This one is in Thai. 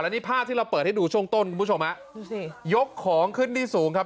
นี่ภาพที่เราเปิดให้ดูช่วงต้นคุณผู้ชมฮะดูสิยกของขึ้นที่สูงครับ